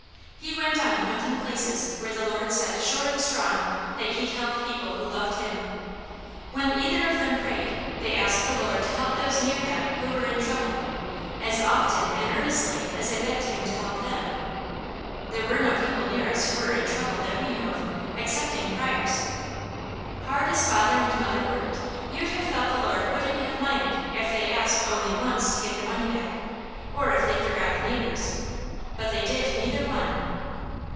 He went on hunting places where the Lord said sure and strong that He'd help people who loved Him. When either of them prayed, they asked the Lord to help those near them who were in trouble, as often and earnestly as they begged Him to help them. There were no people near us who were in trouble that we knew of, excepting Pryors. Hard as father and mother worked, you'd have thought the Lord wouldn't have minded if they asked only once to get the money back, or if they forgot the neighbours, but they did neither one.